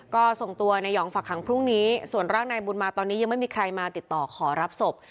ก็ส่งตัวนายองฝักขังพรุ่งนี้ส่วนร่างนายบุญมาตอนนี้ยังไม่มีใครมาติดต่อขอรับศพ